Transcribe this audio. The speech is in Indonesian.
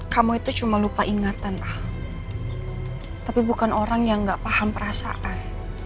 kamu itu cuma lupa ingatan ah tapi bukan orang yang gak paham perasaan